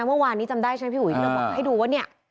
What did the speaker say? เมื่อวานนี้จำได้ใช่ไหมพี่อุ๋ยที่เราบอกให้ดูว่าเนี่ย